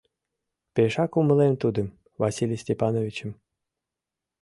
Пешак умылем тудым, Василий Степановичым.